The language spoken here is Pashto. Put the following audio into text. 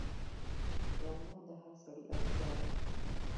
رومیان د هر سړی اړتیا ده